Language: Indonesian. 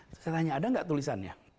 saya tanya ada nggak tulisannya